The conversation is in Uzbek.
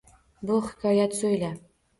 Bir hikoyat so’yla